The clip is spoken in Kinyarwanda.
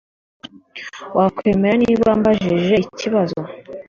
Wakwemera niba mbajije ikibazo?